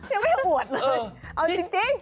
ยังไม่ถูกหรือเปล่าเอาจริง